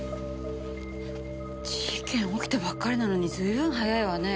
事件起きたばっかりなのに随分早いわね。